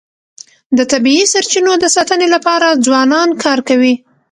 د طبیعي سرچینو د ساتنې لپاره ځوانان کار کوي.